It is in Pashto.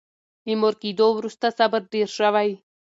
له مور کېدو وروسته صبر ډېر شوی.